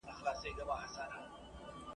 زه به راځمه خامخا راځمه ..